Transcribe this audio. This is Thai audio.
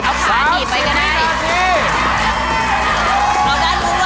เอาด้านมุมหวางบนโต๊ะ